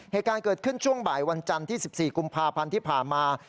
เหตุการณ์เกิดขึ้นช่วงบ่ายวันจันทร์ที่๑๔กุมภาพันธ์ที่ผ่านมา